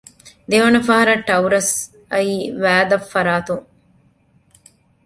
ދެވަނަ ފަހަރަށް ޓައުރަސް އައީ ވައި ދަށް ފަރާތުން